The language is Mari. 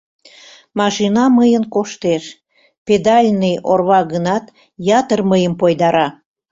Машина мыйын коштеш, педальный орва гынат, ятыр мыйым пойдара.